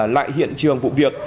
lại hiện trường vụ việc